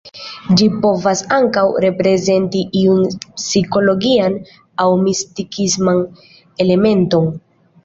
Ĝi povas ankaŭ reprezenti iun psikologian aŭ mistikisman elementon.